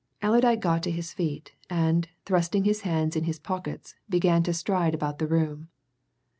Allerdyke got to his feet, and, thrusting his hands in his pockets, began to stride about the room.